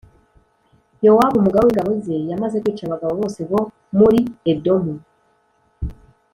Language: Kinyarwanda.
Yowabu umugaba w’ingabo ze yamaze kwica abagabo bose bo muri Edomu